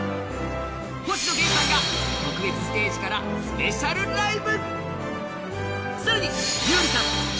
星野源さんが特設ステージからスペシャルライブ。